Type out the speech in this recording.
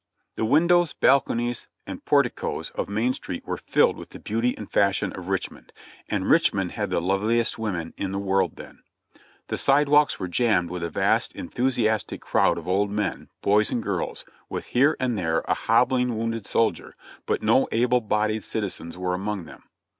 The windows, balconies and porticoes of Main Street were filled with the beauty and fashion of Richmond, and Richmond had the loveliest women in the world then. The side walks were jammed with a vast enthusiastic crowd of old men, boys and girls, with here and there a hobbling wounded soldier, but no able bodied civilians were among them.